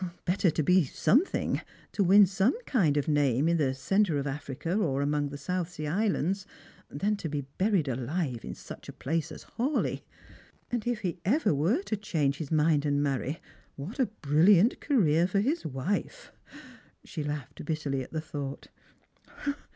Better to be something — to win some kind of name in the centre of Africa, or among the South Sea Islands— than to be buried alive in such a place as Ilawleigh. And if he ever Strangers and Pilgrims. 78 were to change liis mind and marry, what a brilliant career for his wife !" She laughed bitterly at the thought.